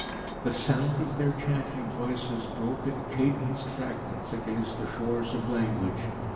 The sound of their chanting voices broke in cadenced fragments against the shores of language.